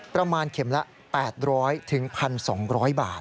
ประมาณเข็มละ๘๐๐๑๒๐๐บาท